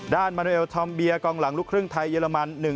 มาเรเอลทอมเบียกองหลังลูกครึ่งไทยเยอรมัน